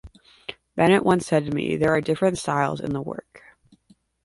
Bennett once said to me, 'There are different styles in the work.